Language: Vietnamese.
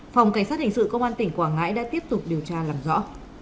phòng cảnh sát hình sự công an tỉnh quảng ngãi đã tiếp tục điều tra làm rõ